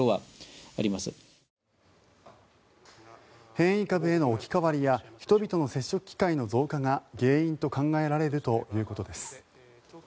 変異株への置き換わりや人々の接触機会の増加が原因と考えられるということです。